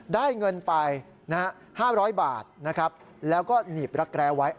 ได้เงินไป๕๐๐บาทแล้วก็หนีบละแกรว้าย